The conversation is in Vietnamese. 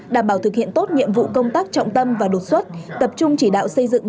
đảm bảo thực hiện tốt nhiệm vụ công tác trọng tâm và đột xuất tập trung chỉ đạo xây dựng